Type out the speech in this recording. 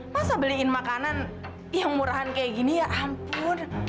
masa beliin makanan yang murahan kayak gini ya ampun